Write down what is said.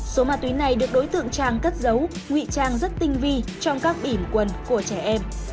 số ma túy này được đối tượng trang cắt dấu nguy trang rất tinh vi trong các bỉm quần của trẻ em